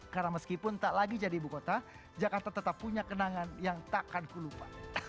karena meskipun tak lagi jadi ibu kota jakarta tetap punya kenangan yang takkan kulupa